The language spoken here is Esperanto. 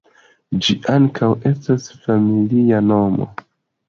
Ĝi ankaŭ estas familia nomo.